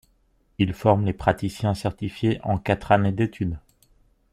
Ils forment les praticiens certifiés en quatre années d'études.